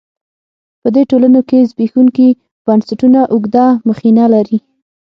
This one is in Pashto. په دې ټولنو کې زبېښونکي بنسټونه اوږده مخینه لري.